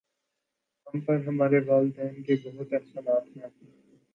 ہم پر ہمارے والدین کے بہت سے احسانات ہیں